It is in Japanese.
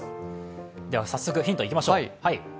早速ヒントいきましょう。